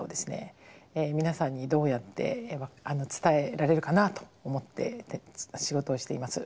皆さんにどうやって伝えられるかなと思って仕事をしています。